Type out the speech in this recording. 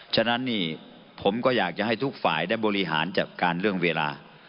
ฉะนั้นนี่ผมก็อยากจะให้ทุกฝ่ายได้บริหารจัดการเรื่องเวลา